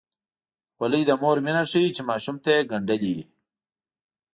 خولۍ د مور مینه ښيي چې ماشوم ته یې ګنډلې وي.